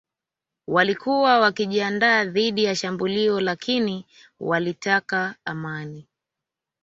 Walikuwa wakijiandaa dhidi ya shambulio lakini walitaka amani